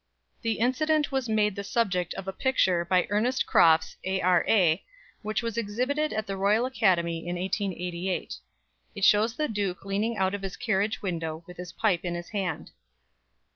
The incident was made the subject of a picture by Ernest Crofts, A.R.A., which was exhibited at the Royal Academy in 1888. It shows the Duke leaning out of his carriage window, with his pipe in his hand.